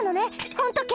ホント剣。